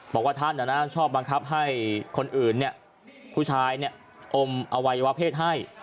บอกว่าท่านชอบบังคับให้คนอื่นผู้ชายอมอวัยวะเพศให้